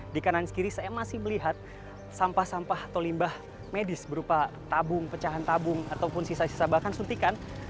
di kanan kiri saya masih melihat sampah sampah atau limbah medis berupa tabung pecahan tabung ataupun sisa sisa bahkan suntikan